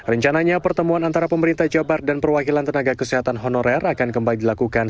rencananya pertemuan antara pemerintah jabar dan perwakilan tenaga kesehatan honorer akan kembali dilakukan